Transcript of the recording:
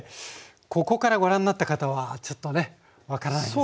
ここからご覧なった方はちょっとね分からないですよね。